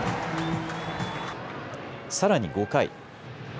さらに５回。